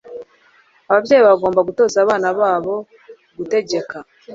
Ababyeyi bagomba gutoza abana gutegeka